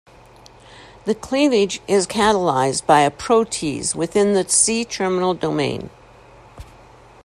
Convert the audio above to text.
The cleavage is catalysed by a protease within the C-terminal domain.